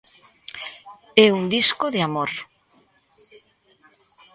É un disco de amor.